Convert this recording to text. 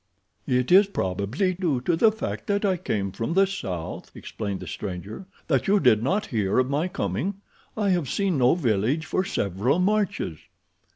"It is probably due to the fact that I came from the south," explained the stranger, "that you did not hear of my coming. I have seen no village for several marches."